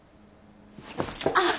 あっ！